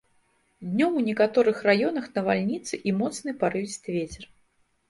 Днём у некаторых раёнах навальніцы і моцны парывісты вецер.